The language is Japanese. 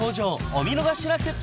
お見逃しなく！